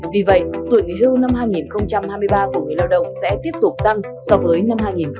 vì vậy tuổi nghỉ hưu năm hai nghìn hai mươi ba của người lao động sẽ tiếp tục tăng so với năm hai nghìn hai mươi hai